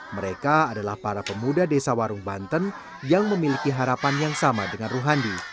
mereka adalah para pemuda desa warung banten yang memiliki harapan yang sama dengan ruhandi